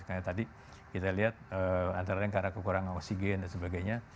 karena tadi kita lihat antara lain karena kekurangan oksigen dan sebagainya